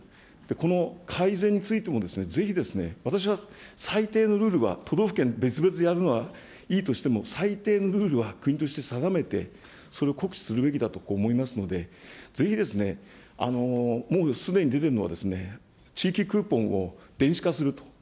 この改善についてもぜひ私は、最低のルールは都道府県別々でやるのはいいとしても、最低のルールは国として定めて、それを告知するべきだと思いますので、ぜひもうすでに出ているのは、地域クーポンを電子化すると。